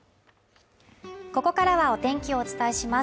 ここからはお天気をお伝えします。